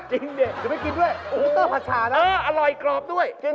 จริงสิเดี๋ยวไปกินด้วยอื้ออร่อยกรอบด้วยเออผัชชานะ